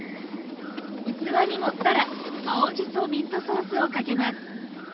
器に盛ったら青じそミントソースをかけます。